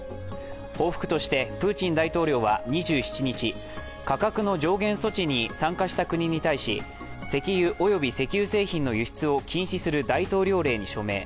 報復として、プーチン大統領は２７日、価格の上限措置に参加した国に対し、石油および石油製品の輸出を禁止する大統領令に署名。